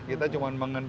kita cuma mengenjadikan